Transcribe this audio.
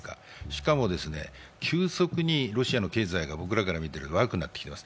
しかも急速にロシアの経済が僕らからみると悪くなってきてる。